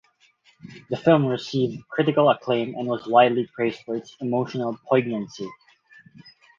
The film received critical acclaim and was widely praised for its emotional poignancy.